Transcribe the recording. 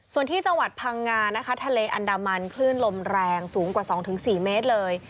ส่วนที่จังหวัดพังงานะคะทะเลอันดามันคลื่นลมแรงสูงกว่า๒๔เมตรเลย